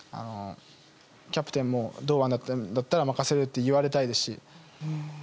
キャプテンも堂安だったら任せると言われたいし。